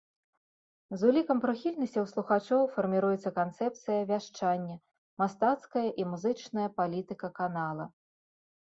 З улікам прыхільнасцяў слухачоў фарміруецца канцэпцыя вяшчання, мастацкая і музычная палітыка канала.